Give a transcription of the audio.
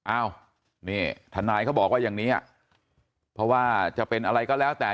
อ้าวนี่ทนายเขาบอกว่าอย่างนี้เพราะว่าจะเป็นอะไรก็แล้วแต่